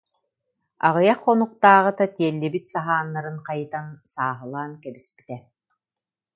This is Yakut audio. Аҕыйах хонуктааҕыта тиэллибит саһааннарын хайытан, сааһылаан кэбистэ.